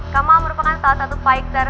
kamal merupakan salah satu fighter